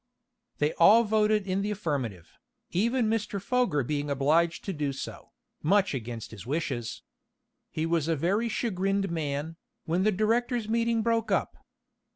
They all voted in the affirmative, even Mr. Foger being obliged to do so, much against his wishes. He was a very much chagrined man, when the directors' meeting broke up.